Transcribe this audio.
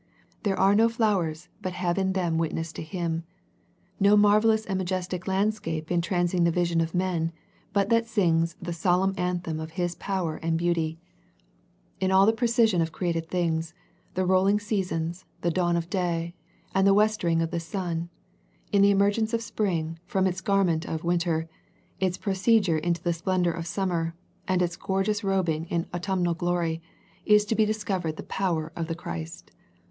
There are no flowers but have in them witness to Him, no marvellous and majestic landscape entrancing the vision of men but that sings the solemn anthem of His power and His beauty. In all \ 194 A First Century Message the precision of created things, the rolling sea sons, the dawn of day, and the westering of the sun, in the emergence of Spring, from its garment of Winter, its procedure into the splendour of Summer, and its gorgeous robing in Autumnal glory is to be discovered the power of the Christ.